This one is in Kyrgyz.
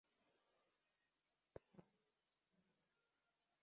Бул ошол жердин кожоюнунун аты.